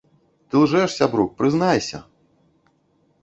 Ты лжэш, сябрук, прызнайся!